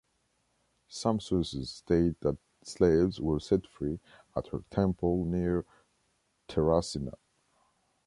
Some sources state that slaves were set free at her temple near Terracina.